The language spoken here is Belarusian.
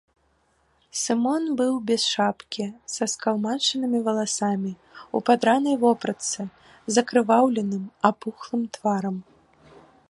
Сымон быў без шапкі са скалмачанымі валасамі, у падранай вопратцы, з акрываўленым, апухлым тварам.